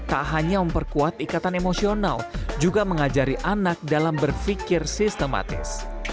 tak hanya memperkuat ikatan emosional juga mengajari anak dalam berpikir sistematis